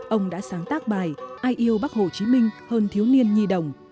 ông đã sáng tác bài ai yêu bắc hồ chí minh hơn thiếu niên nhi đồng